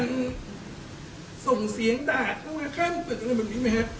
มีใครส่งเสียงด่าเคยบุดอะไรแบบนี้ไหมครับ